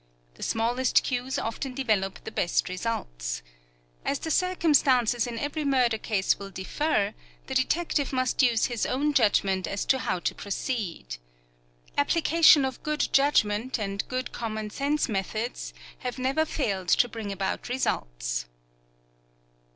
The smallest clues often develop the best results. As the circumstances in every murder case will differ, the detective must use his own judgment as to how to proceed. Application of good judgment and good common sense methods have never failed to bring about results.